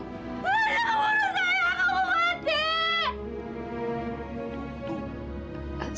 jangan bunuh saya saya mau mati